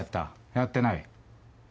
やってない？